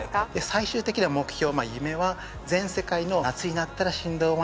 最終的な目標